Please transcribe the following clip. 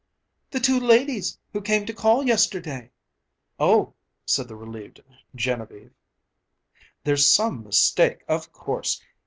"The two ladies who came to call yesterday!" "Oh!" said the relieved Genevieve. "There's some mistake, of course.